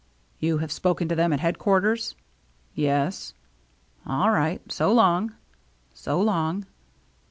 "You have spoken to them at head quarters ?" "Yes." " All right. So long." " So long."